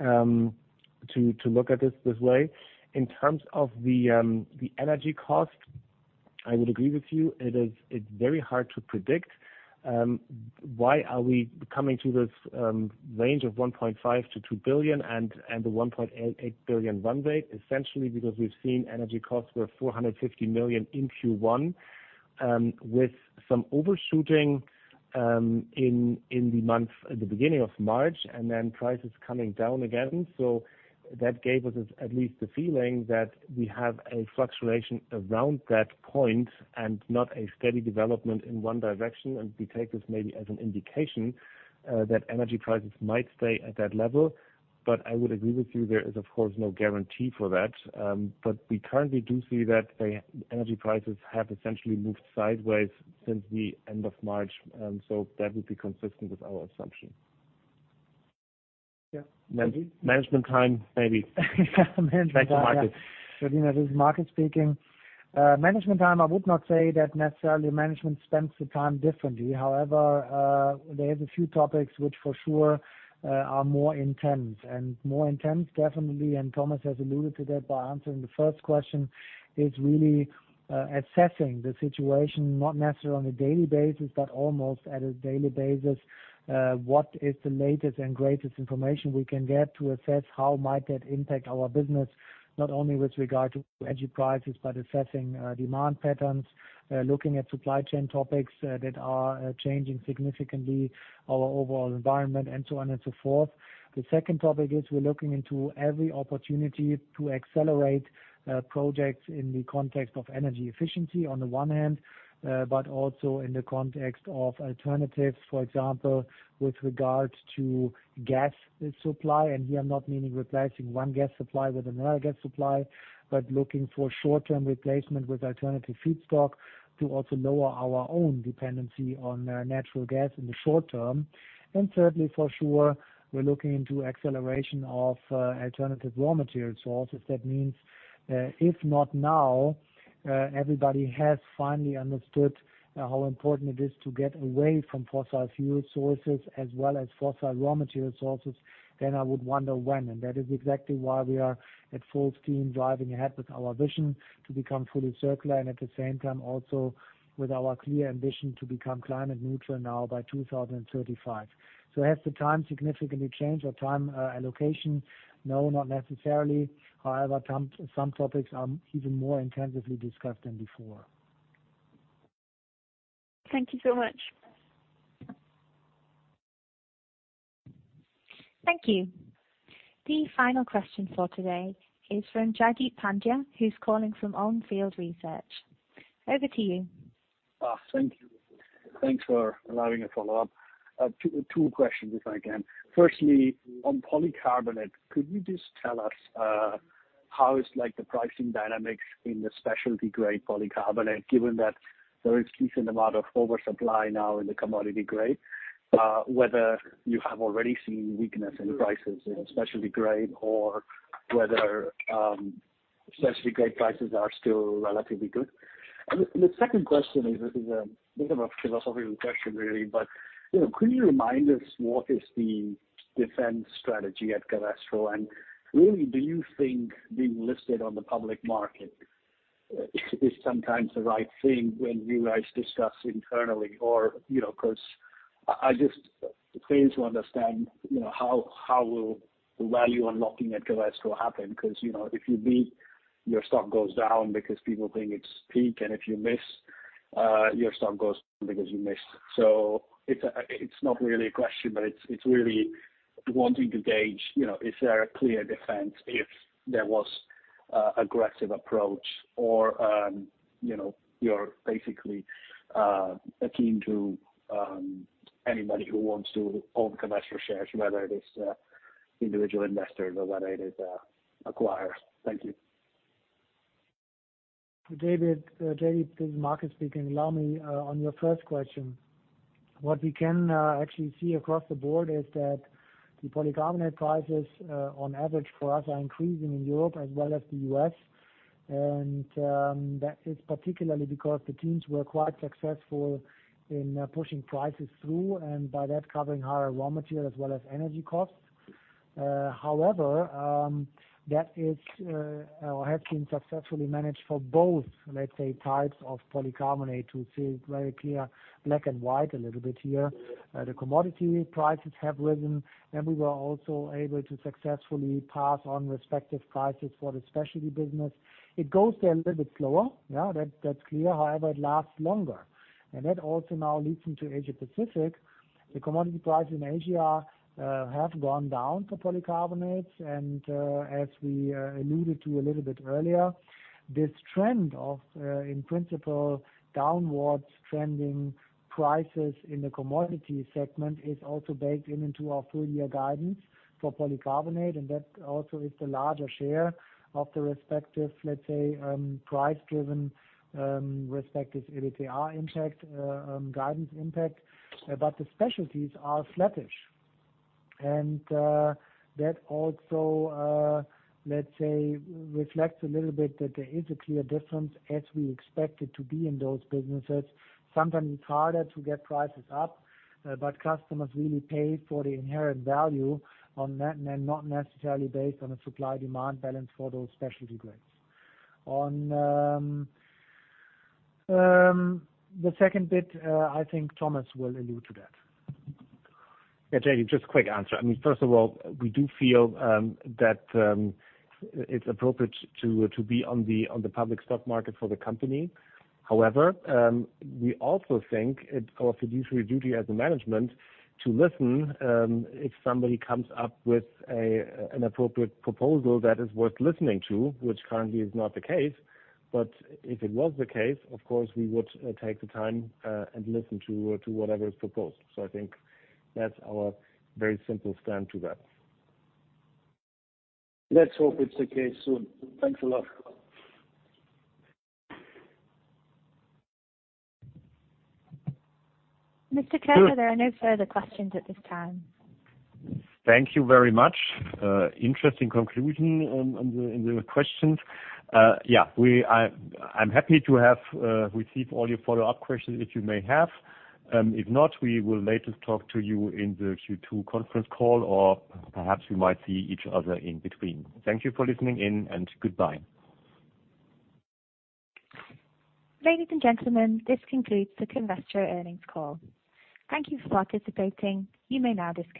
to look at this way. In terms of the energy cost, I would agree with you. It is very hard to predict. Why are we coming to this range of 1.5 billion-2 billion and the 1.8 billion run rate? Essentially because we've seen energy costs were 450 million in Q1, with some overshooting in the month at the beginning of March, and then prices coming down again. That gave us at least the feeling that we have a fluctuation around that point and not a steady development in one direction, and we take this maybe as an indication that energy prices might stay at that level. I would agree with you, there is of course no guarantee for that. We currently do see that the energy prices have essentially moved sideways since the end of March, so that would be consistent with our assumption. Yeah. Man-management time, maybe. Management time. Back to Markus. Georgina, this is Markus speaking. Management time, I would not say that necessarily management spends the time differently. However, there's a few topics which for sure are more intense. More intense, definitely, and Thomas Toepfer has alluded to that by answering the first question, is really assessing the situation, not necessarily on a daily basis, but almost at a daily basis. What is the latest and greatest information we can get to assess how might that impact our business, not only with regard to energy prices, but assessing demand patterns, looking at supply chain topics that are changing significantly our overall environment and so on and so forth. The second topic is we're looking into every opportunity to accelerate projects in the context of energy efficiency on the one hand, but also in the context of alternatives, for example, with regard to gas supply. Here, I'm not meaning replacing one gas supply with another gas supply, but looking for short-term replacement with alternative feedstock to also lower our own dependency on natural gas in the short term. Thirdly, for sure, we're looking into acceleration of alternative raw material sources. That means, if not now, everybody has finally understood how important it is to get away from fossil fuel sources as well as fossil raw material sources, then I would wonder when. That is exactly why we are at full steam driving ahead with our vision to become fully circular and at the same time also with our clear ambition to become climate neutral now by 2035. Has the time significantly changed our time allocation? No, not necessarily. However, some topics are even more intensively discussed than before. Thank you so much. Thank you. The final question for today is from Jaideep Pandya, who's calling from On Field Research. Over to you. Thank you. Thanks for allowing a follow-up. Two questions if I can. Firstly, on polycarbonate, could you just tell us how is like the pricing dynamics in the specialty grade polycarbonate, given that there is a decent amount of oversupply now in the commodity grade, whether you have already seen weakness in prices in specialty grade or whether specialty grade prices are still relatively good. The second question is, this is a bit of a philosophical question really, but you know, could you remind us what is the defense strategy at Covestro and really do you think being listed on the public market is sometimes the right thing when you guys discuss internally or you know, 'cause I just fail to understand you know, how will the value unlocking at Covestro happen? 'Cause, you know, if you beat, your stock goes down because people think it's peak and if you miss, your stock goes down because you missed. It's not really a question, but it's really wanting to gauge, you know, is there a clear defense if there was a aggressive approach or, you know, you're basically keen to anybody who wants to own Covestro shares, whether it is individual investors or whether it is acquirers. Thank you. Jaideep, this is Markus Steilemann speaking. Allow me on your first question. What we can actually see across the board is that the polycarbonate prices on average for us are increasing in Europe as well as the U.S. That is particularly because the teams were quite successful in pushing prices through and by that covering higher raw material as well as energy costs. However, that is or has been successfully managed for both, let's say, types of polycarbonate to see very clear black and white a little bit here. The commodity prices have risen, and we were also able to successfully pass on respective prices for the specialty business. It goes a little bit slower. Yeah, that's clear. However, it lasts longer. That also now leads into Asia Pacific. The commodity price in Asia have gone down for polycarbonates and, as we alluded to a little bit earlier, this trend of in principle downwards trending prices in the commodity segment is also baked into our full year guidance for polycarbonate, and that also is the larger share of the respective, let's say, price driven respective EBITDA impact, guidance impact. The specialties are flattish. That also, let's say, reflects a little bit that there is a clear difference as we expect it to be in those businesses. Sometimes it's harder to get prices up, but customers really pay for the inherent value on that and then not necessarily based on a supply-demand balance for those specialty grades. On the second bit, I think Thomas will allude to that. Yeah, Jaideep, just a quick answer. I mean, first of all, we do feel that it's appropriate to be on the public stock market for the company. However, we also think it's our fiduciary duty as a management to listen if somebody comes up with an appropriate proposal that is worth listening to, which currently is not the case. If it was the case, of course, we would take the time and listen to whatever is proposed. I think that's our very simple stance on that. Let's hope it's the case soon. Thanks a lot. Mr. Köhler, there are no further questions at this time. Thank you very much. Interesting conclusion on the questions. Yeah, I'm happy to receive all your follow-up questions that you may have. If not, we will later talk to you in the Q2 conference call, or perhaps we might see each other in between. Thank you for listening in and goodbye. Ladies and gentlemen, this concludes the Covestro earnings call. Thank you for participating. You may now disconnect.